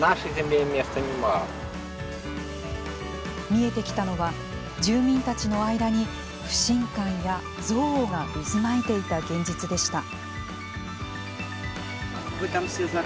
見えてきたのは住民たちの間に不信感や憎悪が渦巻いていた現実でした。